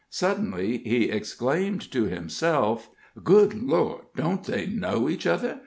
Suddenly he exclaimed to himself: "Good Lord! don't they know each other?